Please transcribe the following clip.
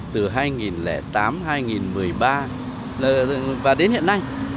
từ hai nghìn tám hai nghìn một mươi ba và đến hiện nay